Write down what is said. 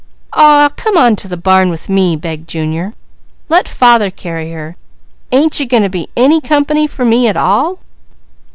"Aw come on to the barn with me!" begged Junior. "Let father carry her! Ain't you going to be any company for me at all?"